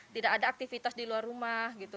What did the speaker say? tidak ada aktivitas di luar rumah gitu